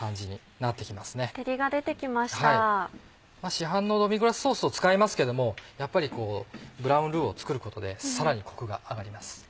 市販のドミグラスソースを使いますけどもやっぱりこうブラウンルーを作ることでさらにコクが上がります。